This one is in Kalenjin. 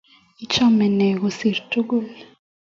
Ichame ne kosir tukul?